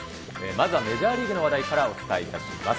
まずはメジャーリーグの話題からお伝えいたします。